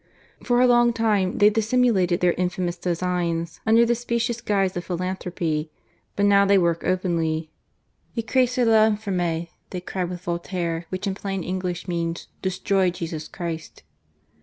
For a long time they dissimulated their infamous designs under the specious guise of philanthropy, but now they work openly. Ecraser Vinfdme, they cry with Voltaire, which in plain English means, " Destroy Jesus Christ."